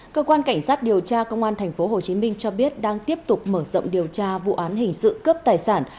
cơ quan cảnh sát điều tra công an tp hcm cho biết đang tiếp tục mở rộng điều tra vụ án hình sự cướp tài sản